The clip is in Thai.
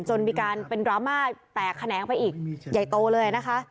จนมีการเป็นดราม่าแตกแขนงไปอีกใหญ่โตเลยนะคะ